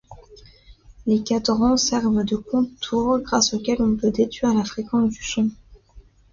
Les cadrans servent de compte-tours, grâce auquel on peut déduire la fréquence du son.